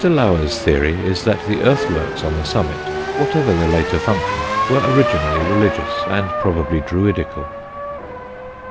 Lower's theory is that the earthworks on the summit, whatever their later function, were originally religious, and probably druidical.